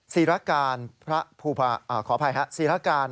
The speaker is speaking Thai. ศีราการ